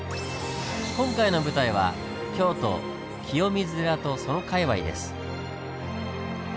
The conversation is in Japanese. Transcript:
今回の舞台は京都・清水寺とその界わいです。